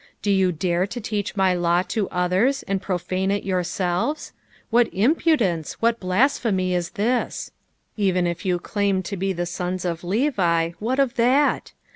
Do you dare to teach my law to others, and profane it yourselves ? What impudence, what blaapliemy is this ! Even if you claim to be boob of Levi, what of that